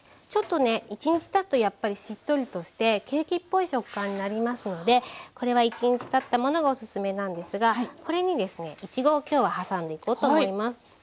ちょっとね１日たつとやっぱりしっとりとしてケーキっぽい食感になりますのでこれは１日たったものがオススメなんですがこれにですねいちごをきょうは挟んでいこうと思います。